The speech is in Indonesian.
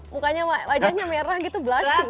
mukanya wajahnya merah gitu blushing